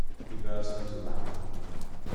He burst into a laugh.